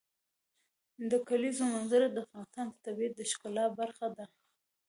د کلیزو منظره د افغانستان د طبیعت د ښکلا برخه ده.